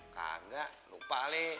kagak lupa le